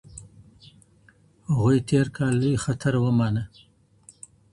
هغوی تېر کال لوی خطر ومانه.